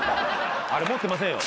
あれ持ってませんよ。